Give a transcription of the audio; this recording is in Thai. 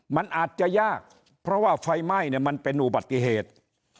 มันอาจจะยากเพราะว่าไฟไหม้เนี่ยมันเป็นอุบัติเหตุ